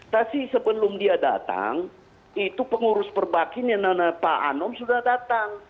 tapi sebelum dia datang itu pengurus perbakin yang namanya pak anom sudah datang